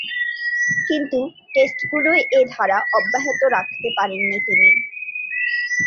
কিন্তু, টেস্টগুলোয় এ ধারা অব্যাহত রাখতে পারেননি তিনি।